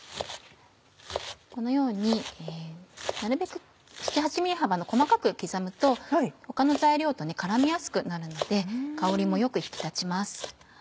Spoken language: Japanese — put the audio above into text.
このようになるべく７８ｍｍ幅に細かく刻むと他の材料と絡みやすくなるので香りもよく引き立ちます。